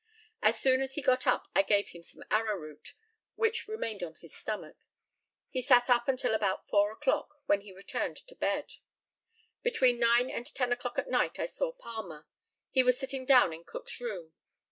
As soon as he got up I gave him some arrowroot, which remained on his stomach. He sat up until about 4 o'clock, when he returned to bed. Between 9 and 10 o'clock at night I saw Palmer. He was sitting down in Cook's room.